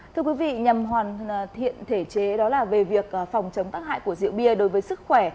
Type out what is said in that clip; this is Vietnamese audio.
thưa quý vị nhằm hoàn thiện thể chế đó là về việc phòng chống tác hại của rượu bia đối với sức khỏe